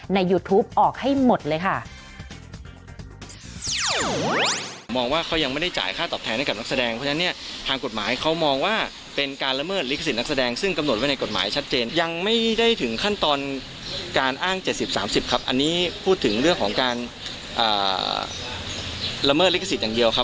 ยูทูปออกให้หมดเลยค่ะ